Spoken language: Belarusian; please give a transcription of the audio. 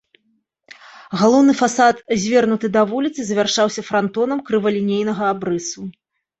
Галоўны фасад, звернуты да вуліцы, завяршаўся франтонам крывалінейнага абрысу.